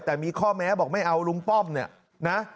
แต่มีข้อแม้บอกไม่เอาลุงป้อมเนี่ยนะ